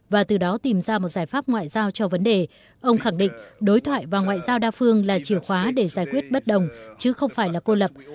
và từ đó tìm ra một giải pháp ngoại giao cho vấn đề ông khẳng định đối thoại và ngoại giao đa phương là chìa khóa để giải quyết bất đồng chứ không phải là cô lập